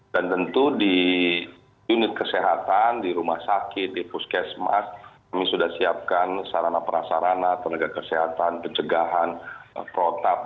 dan tentu di unit kesehatan di rumah sakit di puskesmas kami sudah siapkan sarana perasarana tenaga kesehatan pencegahan proteksi